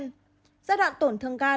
giai đoạn tổn thương gan